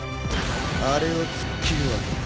あれを突っ切るわけか。